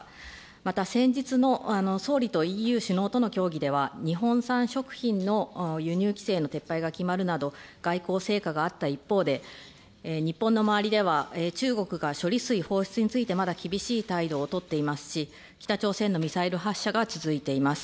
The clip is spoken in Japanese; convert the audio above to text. また先日の総理とＥＵ首脳との協議では、日本産食品の輸入規制の撤廃が決まるなど、外交成果があった一方で、日本の周りでは、中国が処理水放出について、まだ厳しい態度を取っていますし、北朝鮮のミサイル発射が続いています。